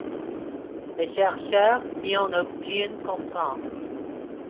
Les chercheurs n'y ont aucune contrainte.